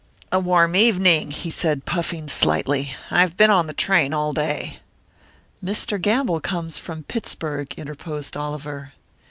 "A warm evening," he said, puffing slightly. "I have been on the train all day." "Mr. Gamble comes from Pittsburg," interposed Oliver.